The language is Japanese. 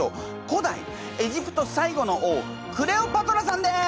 古代エジプト最後の王クレオパトラさんです！